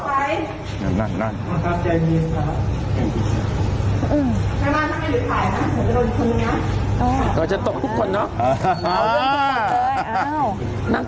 ไม่ต้องครับไม่ต้องอ่าไม่ต้อง